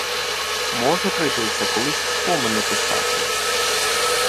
Може, прийдеться колись спомини писати.